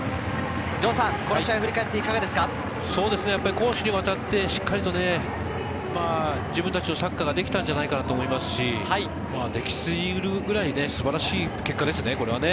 攻守にわたってしっかりと自分たちのサッカーができたんじゃないかなと思いますし、でき過ぎぐらい素晴らしい結果ですね、これは。